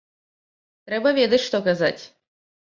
Трэба ведаць, што казаць.